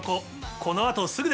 この後すぐです。